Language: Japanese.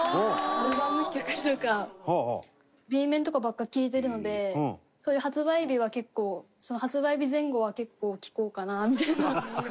アルバム曲とかＢ面とかばっかり聴いてるのでそういう発売日は、結構その発売日前後は結構、聴こうかなみたいな。